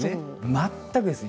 全くですね。